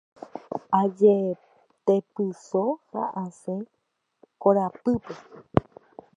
Ajetepyso ha asẽ korapýpe.